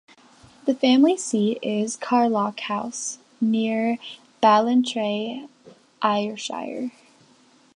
The family seat is Carlock House, near Ballantrae, Ayrshire.